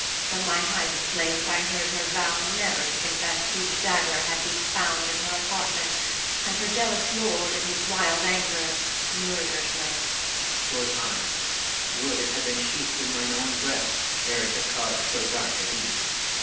From my hiding place I heard her vow never to confess whose dagger had been found in her apartment, and her jealous lord, in his wild anger, murdered her. Louis. 'Twas mine. Would it had been sheathed in mine own breast ere it had caused so dark a deed!